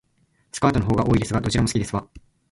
スカートの方が多いですが、どちらも好きですわ